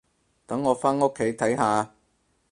等我返屋企睇下